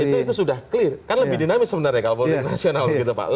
itu sudah clear kan lebih dinamis sebenarnya kalau politik nasional gitu pak